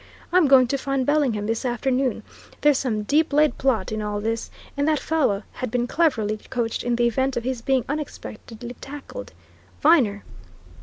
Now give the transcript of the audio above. I'm going to find Bellingham this afternoon there's some deep laid plot in all this, and that fellow had been cleverly coached in the event of his being unexpectedly tackled.... Viner!"